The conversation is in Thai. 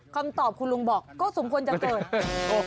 คำตอบคุณลุงบอกก็สมควรจะเกิด